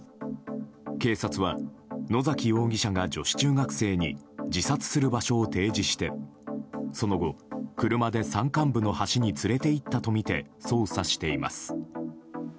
警察は、野崎容疑者が女子中学生に自殺する場所を提示してその後、車で山間部の橋に連れて行ったとみて捜査しています。